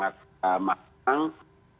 saya kira kita punya kesempatan yang sangat matang